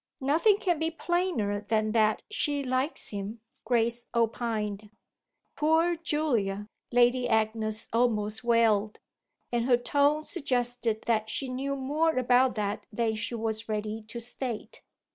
"Nothing can be plainer than that she likes him," Grace opined. "Poor Julia!" Lady Agnes almost wailed; and her tone suggested that she knew more about that than she was ready to state.